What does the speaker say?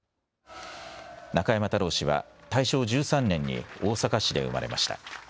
中山太郎氏は大正１３年に大阪市で生まれました。